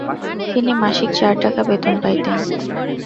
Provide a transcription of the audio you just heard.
তিনি মাসিক চার টাকা বেতন পাইতেন।